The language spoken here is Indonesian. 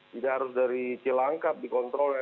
tidak harus dari cilangkap dikontrolnya